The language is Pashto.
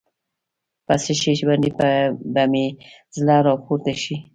په څه شي باندې به مې زړه راپورته شي.